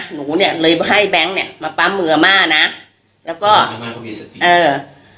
หนูเนี่ยเลยให้แบงค์เนี้ยมาปั๊มมืออาม่านะแล้วก็อาม่าก็มีสิทธิเออ